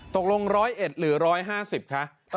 ๑๐๑หรือ๑๕๐คะ